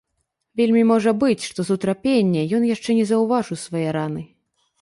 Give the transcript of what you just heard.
Вельмі можа быць, што з утрапення ён яшчэ не заўважыў свае раны.